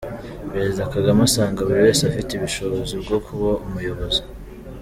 Perezida Kagame asanga buri wese afite ubushobozi bwo kuba Umuyobozi